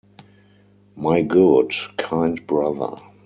My good, kind brother!